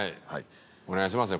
お願いしますね。